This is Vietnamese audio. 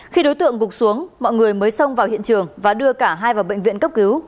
khi đối tượng gục xuống mọi người mới xông vào hiện trường và đưa cả hai vào bệnh viện cấp cứu